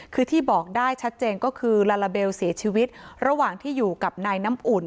คือที่บอกได้ชัดเจนก็คือลาลาเบลเสียชีวิตระหว่างที่อยู่กับนายน้ำอุ่น